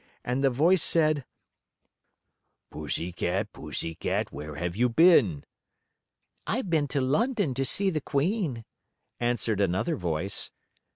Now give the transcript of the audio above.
And the voice asked: "Pussy cat, pussy cat, where have you been?" "I've been to London to see the Queen," answered another voice.